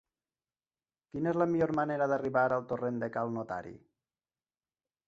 Quina és la millor manera d'arribar al torrent de Cal Notari?